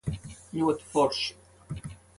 Ļoti forši.